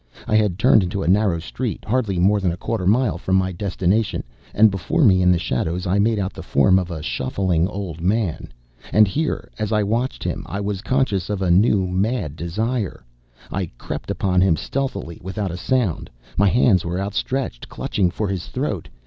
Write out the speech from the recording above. I had turned into a narrow street hardly more than a quarter mile from my destination; and before me, in the shadows, I made out the form of a shuffling old man. And here, as I watched him, I was conscious of a new, mad desire. I crept upon him stealthily, without a sound. My hands were outstretched, clutching, for his throat.